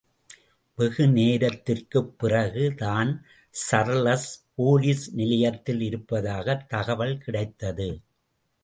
வெகு நேரத்திற்குப் பிறகு, அவன் தர்லஸ் போலிஸ் நிலையத்தில் இருப்பதாகத் தகவல் கிடைத்தது.